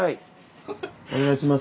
お願いします。